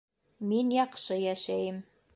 Мин яҡшы йәшәйем.